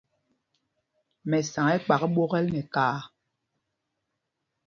Mɛsaŋ ɛ́ ɛ́ kpak ɓwokɛl nɛ kaā.